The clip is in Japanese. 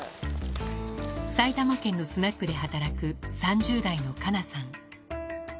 埼玉県のスナックで働く、３０代のカナさん。